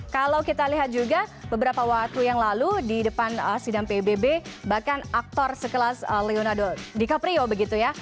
kalau kita lihat juga beberapa waktu yang lalu di depan sidang pbb bahkan aktor sekelas leonardo dika prio begitu ya